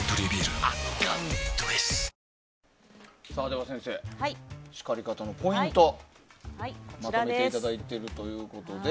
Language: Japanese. では、先生叱り方のポイントをまとめていただいているということで。